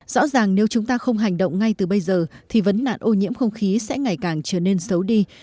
rõ ràng nếu chúng ta không hành động ngay từ bây giờ thì vấn nạn ô nhiễm không khí sẽ ngày càng trở nên xấu đi